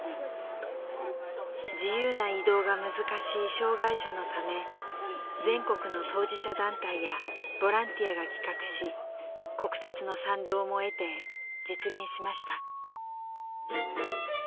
自由な移動が難しい障害者のため全国の当事者団体やボランティアが企画し国鉄の賛同も得て実現しました。